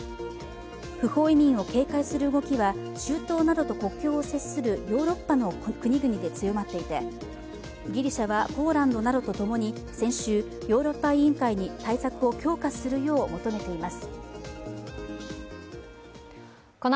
不法移民を警戒する動きは中東などと国境を接するヨーロッパの国々で強まっていて、ギリシャはポーランドなどとともに先週、ヨーロッパ委員会に対策を強化するよう求めています。